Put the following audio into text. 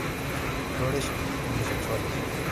Flores unisexuales.